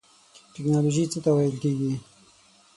ټیکنالوژی څه ته ویل کیږی؟